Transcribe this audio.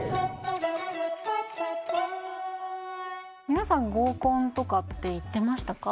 皆さん合コンとかって行ってましたか？